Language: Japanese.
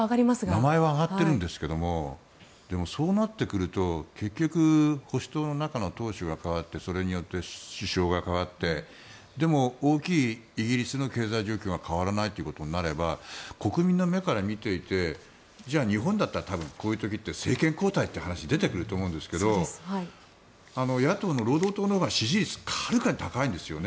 名前は挙がるんですがでも、そうなってくると結局保守党の中の党首が代わってそれによって首相が変わってでも大きいイギリスの経済状況は変わらないとなると国民の目から見ていてじゃあ日本だったらこういう時って政権交代という話が出てくると思うんですけど野党の労働党のほうが支持率、はるかに高いんです。